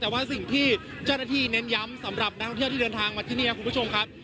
แต่ว่าสิ่งที่เจ้าหน้าที่เน้นย้ำสำหรับนักท่องเที่ยวที่เดินทางมาที่นี่ครับคุณผู้ชมครับ